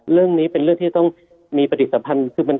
เรื่องนี้เป็นเรื่องที่จะต้องมีปฏิสัมพันธ์คือมัน